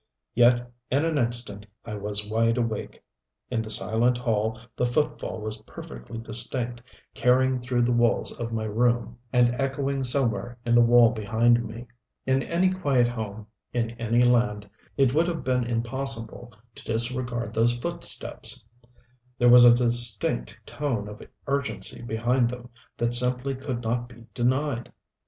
Yet in an instant I was wide awake. In the silent hall the footfall was perfectly distinct, carrying through the walls of my room, and echoing somewhere in the wall behind me. In any quiet home, in any land, it would have been impossible to disregard those footsteps. There was a distinct tone of urgency behind them that simply could not be denied.